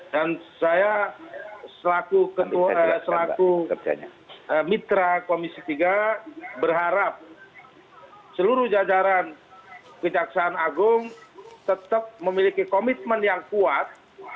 dan saya selaku mitra komisi tiga berharap seluruh jajaran kejaksaan agung tetap memiliki komitmen yang kuat